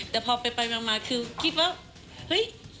แต่พอไปมาคือคิดว่าเฮ้ย